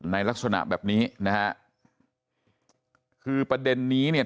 ลักษณะแบบนี้นะฮะคือประเด็นนี้เนี่ย